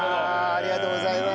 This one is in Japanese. ありがとうございます。